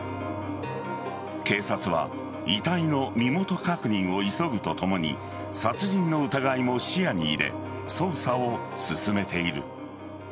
警察は遺体の身元確認を急ぐとともに殺人の疑いも視野に入れ捜査を進めている。